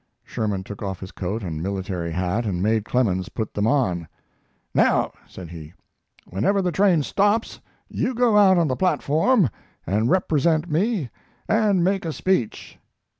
Sherman took off his coat and military hat and made Clemens put them on. "Now," said he, "whenever the train stops you go out on the platform and represent me and make a speech."